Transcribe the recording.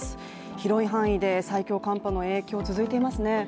広い範囲で最強寒波の影響が続いていますね。